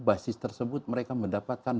basis tersebut mereka mendapatkan